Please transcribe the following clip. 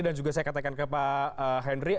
dan juga saya katakan ke pak henry